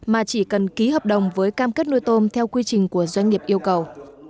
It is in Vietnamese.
mà chỉ cần ký hợp đồng với cam kết nuôi tôm theo quy trình của doanh nghiệp yêu cầu